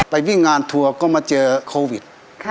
ไปวิ่งงานทัวร์ก็มาเจอโควิด